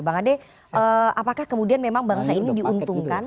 bang ade apakah kemudian memang bangsa ini diuntungkan